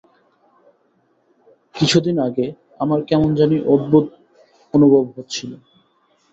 কিছুদিন আগে, আমার কেমন জানি অদ্ভুত অনুভব হচ্ছিল।